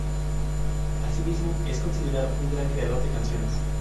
Asimismo, es considerado un gran creador de canciones.